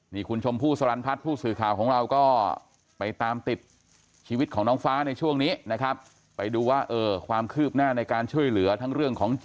นี่คุณชมผู้สลัญพัฒน์ผู้สื่อข่าวของเราก็ไปตามติดชีวิตของน้องฟ้าในช่วงนี้นะครับ